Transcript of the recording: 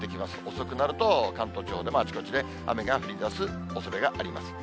遅くなると関東地方でもあちこちで雨が降りだすおそれがあります。